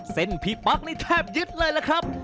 เส้นพีปั๊กนี่แทบยิดเลยล่ะครับ